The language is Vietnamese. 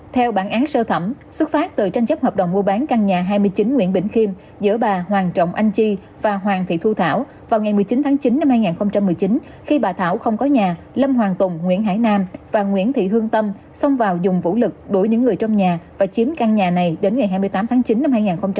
theo bản án sơ thẩm xuất phát từ tranh chấp hợp đồng mua bán căn nhà hai mươi chín nguyễn bình khiêm giữa bà hoàng trọng anh chi và hoàng thị thu thảo vào ngày một mươi chín tháng chín năm hai nghìn một mươi chín khi bà thảo không có nhà lâm hoàng tùng nguyễn hải nam và nguyễn thị hương tâm xông vào dùng vũ lực đổi những người trong nhà và chiếm căn nhà này đến ngày hai mươi tám tháng chín năm hai nghìn một mươi chín